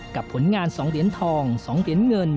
กับผลงานสองเหรียญทองสองเหรียญเงิน